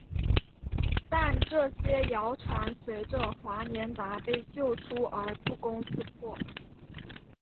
但这些谣传随着华年达被救出而不攻自破。